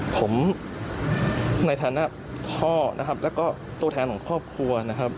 ผมในฐานะพ่อและโตแทนของครอบครัว